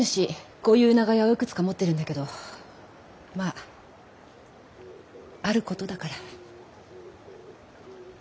こういう長屋をいくつか持ってるんだけどまああることだから。